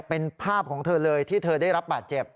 เป็นภาพของเธอเลยที่เธอได้รับบาดเจ็บ